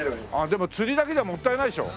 でも釣りだけじゃもったいないでしょ？